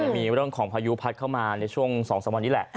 มีเรื่องของพายุพัดเข้ามาในช่วง๒๓วันนี้แหละ